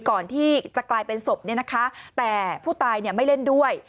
ก่อนที่จะกลายเป็นศพเนี่ยนะคะแต่ผู้ตายไม่เล่นด้วย